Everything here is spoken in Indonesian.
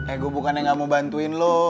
eh gue bukannya gak mau bantuin lu